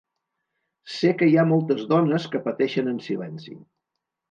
Sé que hi ha moltes dones que pateixen en silenci.